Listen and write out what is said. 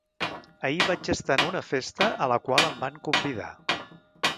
Ahir vaig estar en una festa a la qual em van convidar.